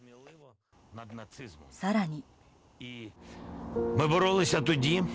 更に。